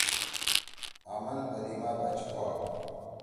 آمن بدی ما بچ کوا۔